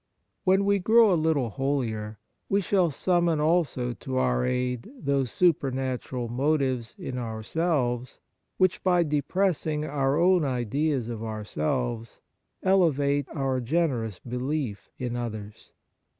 When we grow a little holier, we shall summon 6o Kindness also to our aid those supernatural motives in ourselves which, by depressing our own ideas of ourselves, elevate our generous belief in others.